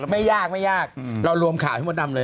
ไม่ยากเรารวมข่าวขึ้นมดดำเลย